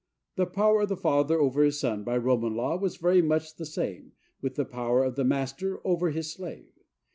The power of the father over his son, by Roman law, was very much the same with the power of the master over his slave.